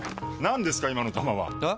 何ですか今の球は！え？